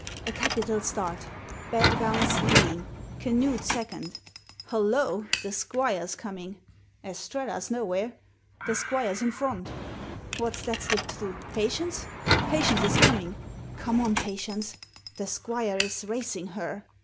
"A capital start Bedgown's leading — Canute second. Hollo! The Squire's coming. Estrella's nowhere. The Squire's in front! What's that slipped through — ^Patience? Patience is coming! Come on. Patience; The Squire is racing her!